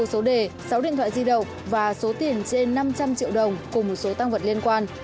số đề sáu điện thoại di động và số tiền trên năm trăm linh triệu đồng cùng một số tăng vật liên quan